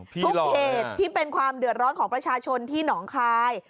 ทุกเหตุที่เป็นความเดือดร้อนของประชาชนที่หนองคาย